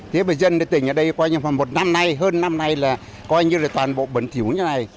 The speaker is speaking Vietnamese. thế bởi dân tỉnh ở đây qua như một năm nay hơn năm nay là coi như là toàn bộ bẩn thiếu như thế này